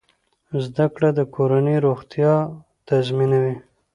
زده کړه د کورنۍ روغتیا تضمینوي۔